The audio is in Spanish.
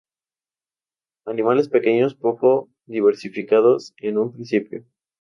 Animales pequeños poco diversificados en un principio.